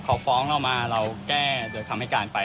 เขาฟ้องเรามาเราแก้โดยคำให้การไป